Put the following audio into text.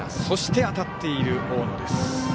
そして当たっている大野。